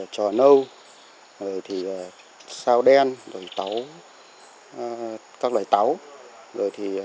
trò nâu sao đen các loài táo